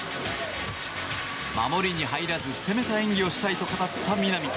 守りに入らず攻めた演技をしたいと語った南。